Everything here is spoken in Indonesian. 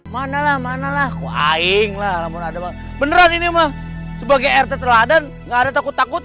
manalah manalah kuaing lah mau ada banget beneran ini mah sebagai rt teladan enggak ada takut takut